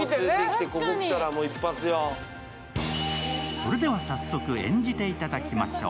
それでは早速、演じていただきましょう。